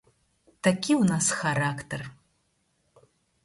Такі ў нас характар.